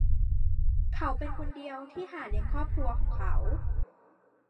เขาเป็นคนเดียวที่หาเลี้ยงครอบครัวของเขา